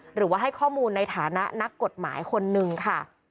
หรือว่าให้ข้อมูลในฐานะนักกฎหมายคนนึงค่ะ